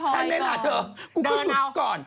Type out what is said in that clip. หาทองหาเพชรพลอยก่อน